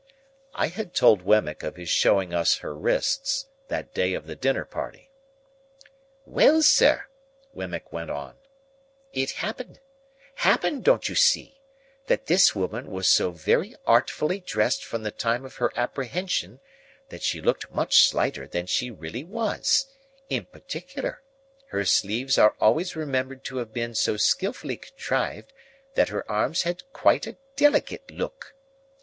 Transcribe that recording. I had told Wemmick of his showing us her wrists, that day of the dinner party. "Well, sir!" Wemmick went on; "it happened—happened, don't you see?—that this woman was so very artfully dressed from the time of her apprehension, that she looked much slighter than she really was; in particular, her sleeves are always remembered to have been so skilfully contrived that her arms had quite a delicate look.